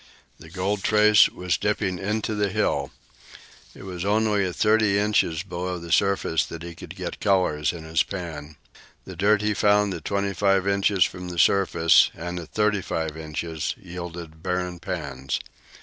The gold trace was dipping into the hill. It was only at thirty inches beneath the surface that he could get colors in his pan. The dirt he found at twenty five inches from the surface, and at thirty five inches yielded barren pans.